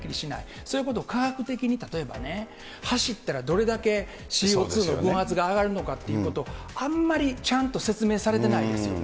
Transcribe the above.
そういうことを科学的に、例えばね、走ったらどれだけＣＯ２の分圧が上がるのかっていうことを、あんまりちゃんと説明されてないですよね。